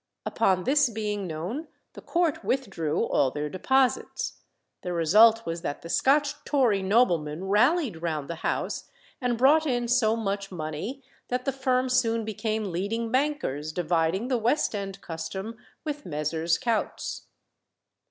Upon this being known, the Court withdrew all their deposits. The result was that the Scotch Tory noblemen rallied round the house and brought in so much money that the firm soon became leading bankers, dividing the West End custom with Messrs. Coutts.